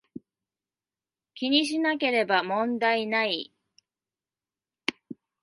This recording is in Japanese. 気にしなければ問題無い